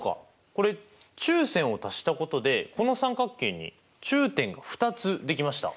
これ中線を足したことでこの三角形に中点が２つできました。